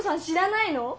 知らないの？